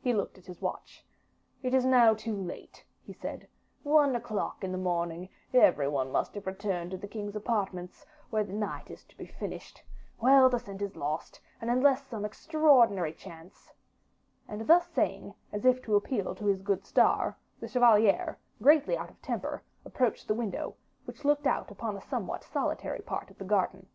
He looked at his watch. "It is now too late," he said. "One o'clock in the morning; every one must have returned to the king's apartments, where the night is to be finished; well, the scent is lost, and unless some extraordinary chance " And thus saying, as if to appeal to his good star, the chevalier, greatly out of temper, approached the window, which looked out upon a somewhat solitary part of the garden.